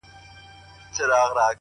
o و خوږ زړگي ته مي؛